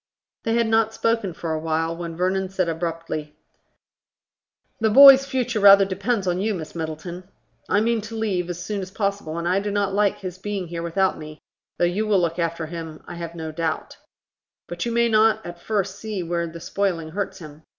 They had not spoken for awhile, when Vernon said abruptly, "The boy's future rather depends on you, Miss Middleton. I mean to leave as soon as possible, and I do not like his being here without me, though you will look after him, I have no doubt. But you may not at first see where the spoiling hurts him.